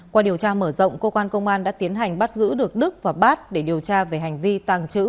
qua điều tra mở rộng cơ quan công an đã tiến hành bắt giữ được đức và bát để điều tra về hành vi tàng trữ